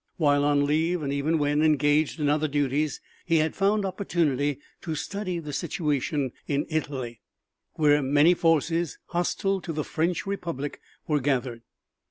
While on leave and even when engaged in other duties he had found opportunity to study the situation in Italy, where many forces hostile to the French Republic were gathered.